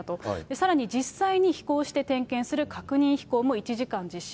さらに実際に飛行して点検する確認飛行も１時間実施。